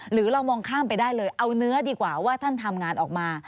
หรือเรามองข้ามไปได้เลยเอาเนื้อดีกว่าว่าท่านทำงานออกมา